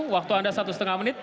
waktu anda satu setengah menit